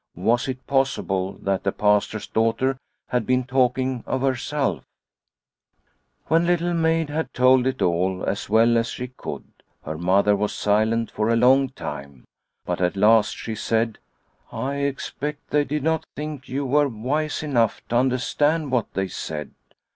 Was it possible that the Pastor's daughter had been talking of herself ? I The Pastor of Svartsjo 8 3 When Little Maid had told it all as well as she could, her Mother was silent for a long time, but at last she said : "I expect they did not think you were wise enough to understand what they said.